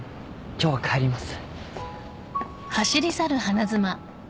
今日は帰ります。